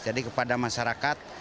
jadi kepada masyarakat